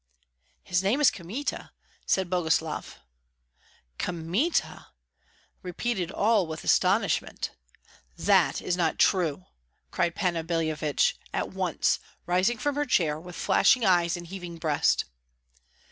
"His name is Kmita," said Boguslav. "Kmita!" repeated all, with astonishment. "That is not true!" cried Panna Billevich at once, rising from her chair, with flashing eyes and heaving breast.